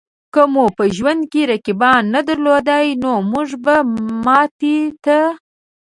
که مو په ژوند کې رقیبان نه درلودای؛ نو مونږ به ماتې ته